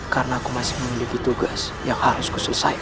karena aku masih memiliki tugas yang harus kuselesaikan